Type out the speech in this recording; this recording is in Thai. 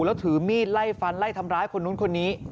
แล้วถือมีดไล่ฟันไล่ทำร้ายคนนู้นคนนี้